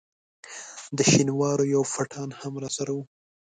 د شینوارو یو پټان هم راسره وو.